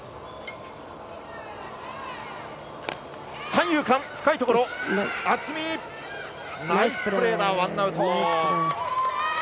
三遊間、深いところ渥美、ナイスプレー１アウト。